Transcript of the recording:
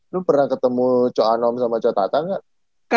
lu pernah ketemu co anom sama co tata gak